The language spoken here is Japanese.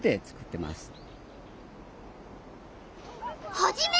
ハジメ！